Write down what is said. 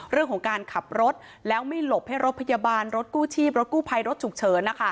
เรื่องของการขับรถแล้วไม่หลบให้รถพยาบาลรถกู้ชีพรถกู้ภัยรถฉุกเฉิน